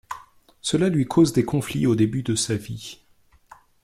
Cela lui cause des conflits au début de sa vie.